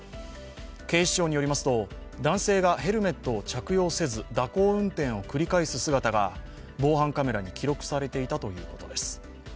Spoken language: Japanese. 警視庁によりますと、男性がヘルメットを着用せず蛇行運転を繰り返す姿が防犯カメラに記録されていたということです。